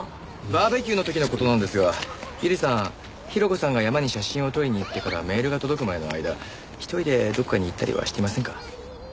バーベキューの時の事なんですが百合さん広子さんが山に写真を撮りに行ってからメールが届くまでの間１人でどこかに行ったりはしてませんか？